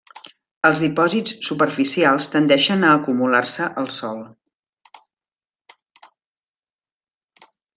Els dipòsits superficials tendeixen a acumular-se al sòl.